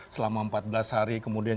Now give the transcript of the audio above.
selama empat belas hari kemudian